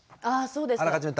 あそうですか。